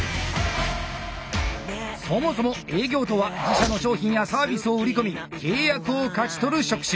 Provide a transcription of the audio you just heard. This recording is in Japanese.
そもそも営業とは自社の商品やサービスを売り込み契約を勝ち取る職種。